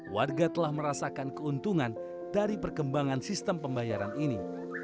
warga telah merasakan keuntungan dari perkembangan sistem pembayaran ini